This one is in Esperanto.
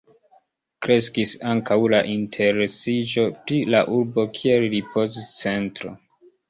Kreskis ankaŭ la interesiĝo pri la urbo kiel ripoz-centro.